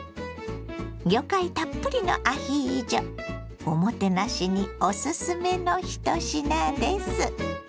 魚介たっぷりのアヒージョおもてなしにおすすめの一品です。